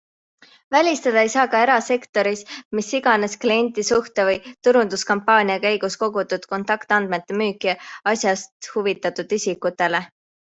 Välistada ei saa ka erasektoris mis iganes kliendisuhte või turunduskampaania käigus kogutud kontaktandmete müüki asjast huvitatud isikutele.